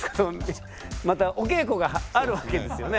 またお稽古があるわけですよね。